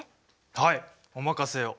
はいお任せを。